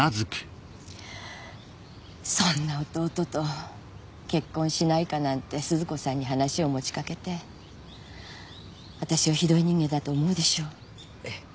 そんな弟と結婚しないかなんて鈴子さんに話を持ちかけて私をひどい人間だと思うでしょうええ